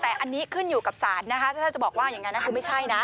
แต่อันนี้ขึ้นอยู่กับศาลนะคะถ้าจะบอกว่าอย่างนั้นคือไม่ใช่นะ